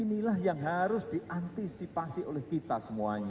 inilah yang harus diantisipasi oleh kita semuanya